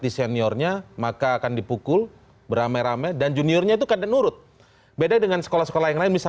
sampai ketemu lagi